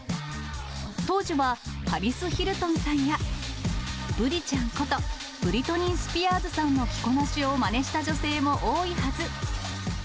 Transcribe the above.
当時は、パリス・ヒルトンさんや、ブリちゃんこと、ブリトニー・スピアーズさんの着こなしをまねした女性も多いはず。